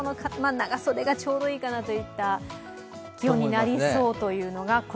長袖がちょうどいいかなといった気温になりそうという。